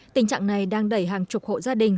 tình trạng này đang đẩy hàng chục hộ gia đình